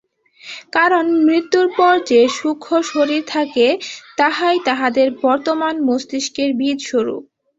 কারণ মৃত্যুর পর যে সূক্ষ্ম শরীর থাকে, তাহাই তাঁহাদের বর্তমান মস্তিষ্কের বীজস্বরূপ।